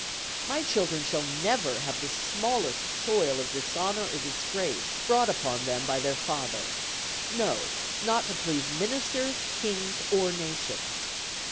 My children shall never have the smallest soil of dishonor or disgrace brought upon them by their father, no, not to please ministers, kings, or nations.